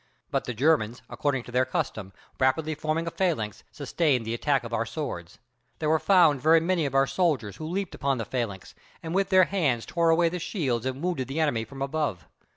But the Germans, according to their custom, rapidly forming a phalanx, sustained the attack of our swords. There were found very many of our soldiers who leaped upon the phalanx, and with their hands tore away the shields and wounded the enemy from above.